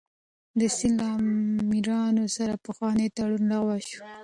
د سند له امیرانو سره پخوانی تړون لغوه شو.